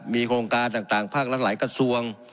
มีโครงการต่างภาครัฐหลายกระทรวง